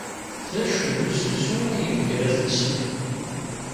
D acu n usensu aydeg ara tensem?